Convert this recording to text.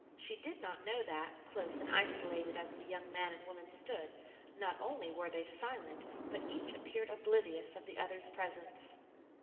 She did not know that, close and isolated as the young man and woman stood, not only were they silent, but each appeared oblivious of the other's presence.